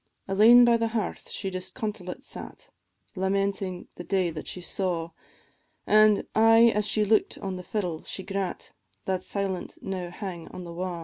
Alane by the hearth she disconsolate sat, Lamenting the day that she saw, An' aye as she look'd on the fiddle she grat, That silent now hang on the wa'.